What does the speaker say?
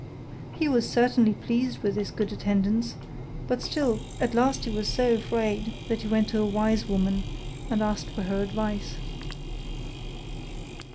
He was certainly pleased with this good attendance, but still at last he was so afraid that he went to a wise woman and asked for her advice.